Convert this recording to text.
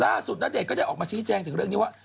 ล่าสุดน่ะแล้วก็ได้ออกมาชี้แจ้งถึงเรื่องนี้ว่า